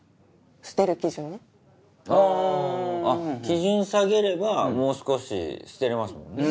基準下げればもう少し捨てれますもんね。